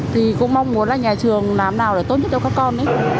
thì cũng mong muốn là nhà trường làm nào để tốt nhất cho các con